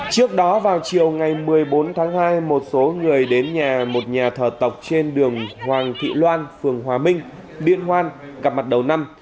trước đó vào chiều ngày một mươi bốn tháng hai một số người đến nhà một nhà thờ tộc trên đường hoàng thị loan phường hòa minh liên hoan gặp mặt đầu năm